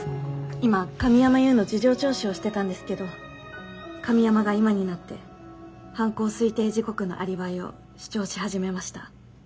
今神山祐の事情聴取をしてたんですけど神山が今になって犯行推定時刻のアリバイを主張し始めました。